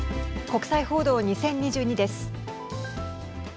国際報道２０２２です。